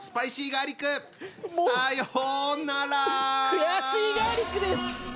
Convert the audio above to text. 悔しいガーリックです！